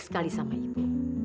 sekali sama ibu